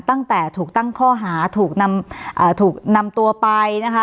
ตั้งแต่ถูกตั้งข้อหาถูกนำตัวไปนะคะ